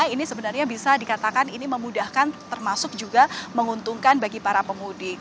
ini sebenarnya bisa dikatakan ini memudahkan termasuk juga menguntungkan bagi para pemudik